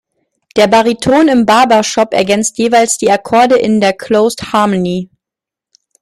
Der Bariton im Barbershop ergänzt jeweils die Akkorde in der closed harmony.